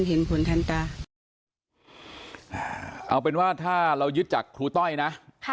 เอาเป็นว่าถ้าเรายึดจากครูต้อยนะ